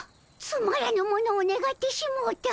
つまらぬものをねがってしもうた。